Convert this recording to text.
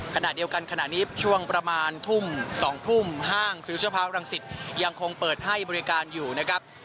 ขณะเดียวกันขณะนี้ช่วงประมาณทุ่ม๒ทุ่มห้างฟิลเชอร์พาร์ครังสิตยังคงเปิดให้บริการอยู่นะครับ